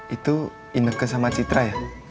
itu induknya sama citra ya